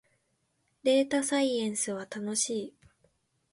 データサイエンスは楽しい